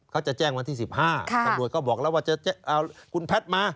เขาจะแจ้งวันที่๑๕ตำรวจก็บอกแล้วว่าจะเอาคุณแพทย์มา